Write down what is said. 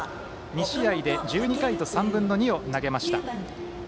２試合で１２回と３分の２を投げました。